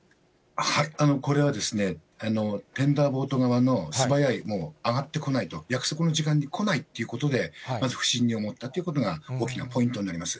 これは、テンダーボート側の素早い、上がってこないと、約束の時間に来ないということで、まず不審に思ったということが、大きなポイントになります。